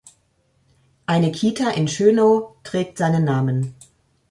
Eine Kita in Schönow trägt seinen Namen.